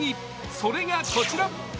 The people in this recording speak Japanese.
それがこちら。